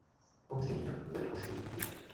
公司啲人唔會搞小圈子